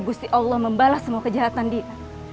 gusti allah membalas semua kejahatan dia